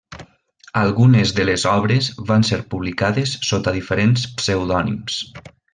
Algunes de les obres van ser publicades sota diferents pseudònims.